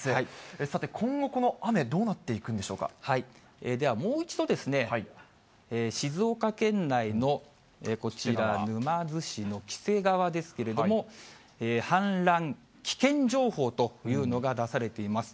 さて、今後、この雨、どうなってでは、もう一度、静岡県内のこちら、沼津市の黄瀬川ですけれども、氾濫危険情報というのが出されています。